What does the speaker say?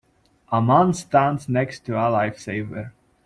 A man stands next to a life saver.